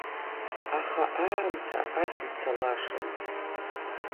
Аха аамҭа ас ицалашам.